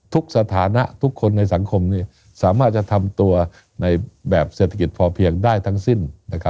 สถานะทุกคนในสังคมสามารถจะทำตัวในแบบเศรษฐกิจพอเพียงได้ทั้งสิ้น